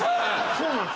そうなんです。